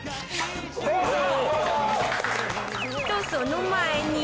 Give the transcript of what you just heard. とその前に